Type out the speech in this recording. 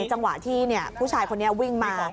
จังหวะที่ผู้ชายคนนี้วิ่งมา